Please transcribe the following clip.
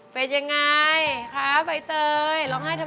ไปอย่างไรครับ